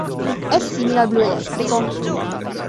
È simile al blu elettrico.